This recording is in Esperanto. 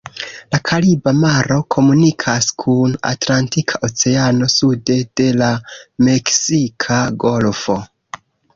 La Kariba maro komunikas kun Atlantika Oceano, sude de la Meksika Golfo.